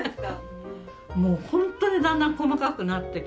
もう本当にだんだん細かくなってきて。